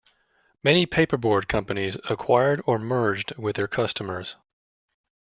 Many paperboard companies acquired or merged with their customers.